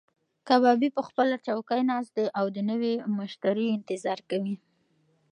کبابي په خپله چوکۍ ناست دی او د نوي مشتري انتظار کوي.